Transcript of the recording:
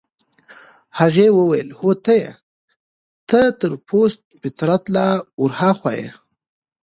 هغې وویل: هو ته يې، ته تر پست فطرته لا ورهاخوا يې.